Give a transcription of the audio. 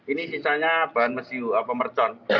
ini sisanya bahan mesiu atau mercon